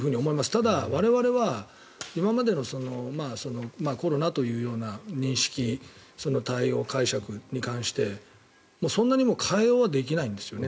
ただ、我々は今までのコロナという対応、解釈に関してそんなに変えようはないんですよね。